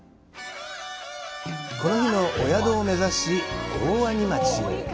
この日のお宿を目指し大鰐町へ。